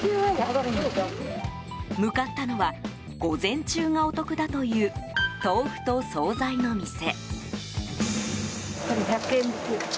向かったのは午前中がお得だという豆腐と総菜の店。